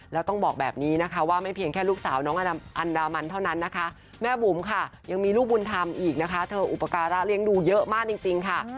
แล้วต้องบอกแบบนี้นะคะว่าไม่เพียงแค่ลูกสาวน้องอันดามันเท่านั้นนะคะแม่บุ๋มค่ะยังมีลูกบุญธรรมอีกนะคะเธออุปการะเลี้ยงดูเยอะมากจริงค่ะ